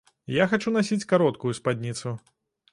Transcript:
Я хачу насіць кароткую спадніцу.